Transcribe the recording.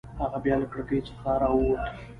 هغه بیا له کړکۍ څخه راووت.